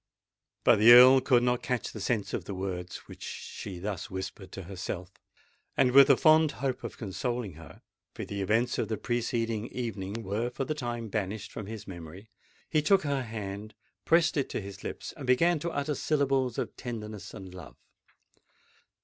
But the Earl could not catch the sense of the words which she thus whispered to herself; and, with the fond hope of consoling her—for the events of the preceding evening were for the time banished from his memory—he took her hand, pressed it to his lips, and began to utter syllables of tenderness and love.